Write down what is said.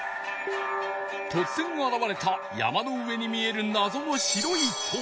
突然現れた山の上に見える謎の白い塔